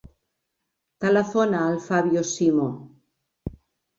Telefona al Fabio Simo.